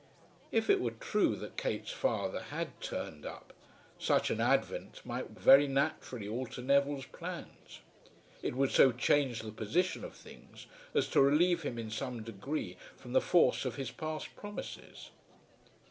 If it were true that Kate's father had "turned up," such an advent might very naturally alter Neville's plans. It would so change the position of things as to relieve him in some degree from the force of his past promises.